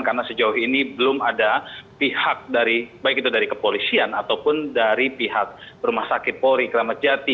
karena sejauh ini belum ada pihak dari baik itu dari kepolisian ataupun dari pihak rumah sakit polri kramat jati